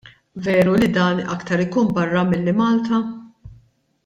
Veru li dan aktar ikun barra milli Malta?